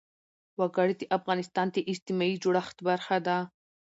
وګړي د افغانستان د اجتماعي جوړښت برخه ده.